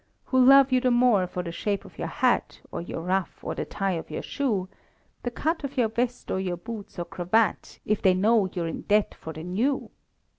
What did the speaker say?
Who'll love you the more for the shape of your hat, Or your ruff, or the tie of your shoe, The cut of your vest, or your boots, or cravat, If they know you're in debt for the new?